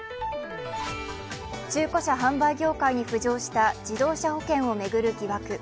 中古車販売業界に浮上した自動車保険を巡る疑惑。